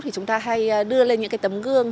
thì chúng ta hay đưa lên những tấm gương